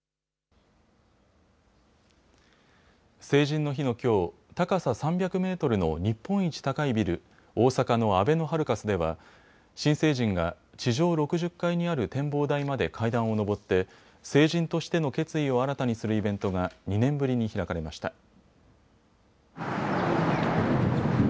成人の日のきょう、高さ３００メートルの日本一高いビル、大阪のあべのハルカスでは新成人が地上６０階にある展望台まで階段を上って成人としての決意を新たにするイベントが２年ぶりに開かれました。